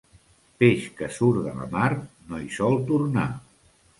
Peix que surt de la mar no hi sol tornar.